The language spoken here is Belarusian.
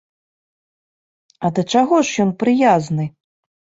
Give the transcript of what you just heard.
А да чаго ж ён прыязны?